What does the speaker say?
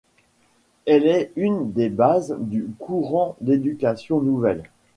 Elle est une des bases du courant d'éducation nouvelle.